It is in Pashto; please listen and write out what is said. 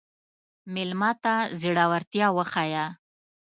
مېلمه ته زړورتیا وښیه.